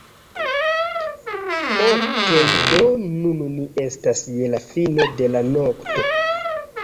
Okej' do nun ni estas je la fino de la nokto